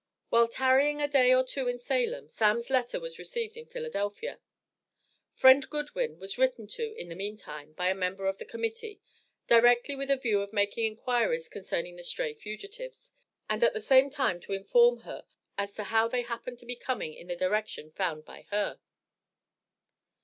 While tarrying a day or two in Salem, "Sam's" letter was received in Philadelphia. Friend Goodwin was written to in the meantime, by a member of the Committee, directly with a view of making inquires concerning the stray fugitives, and at the same time to inform her as to how they happened to be coming in the direction found by her.